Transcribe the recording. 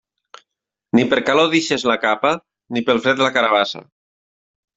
Ni per calor deixes la capa, ni pel fred la carabassa.